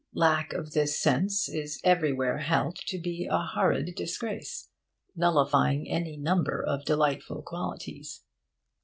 Lack of this sense is everywhere held to be a horrid disgrace, nullifying any number of delightful qualities.